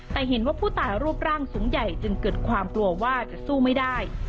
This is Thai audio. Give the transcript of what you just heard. แต่เห็นว่าผู้ตายรูปร่างสูงใหญ่จึงเกิดความกลัวว่าจะสู้ไม่ได้